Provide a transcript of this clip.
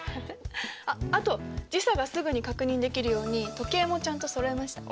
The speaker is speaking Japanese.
あっあと時差がすぐに確認できるように時計もちゃんとそろえました。